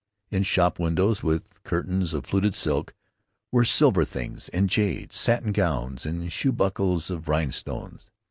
In shop windows with curtains of fluted silk were silver things and jade; satin gowns and shoe buckles of rhinestones.